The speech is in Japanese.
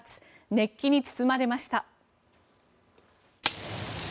熱気に包まれました。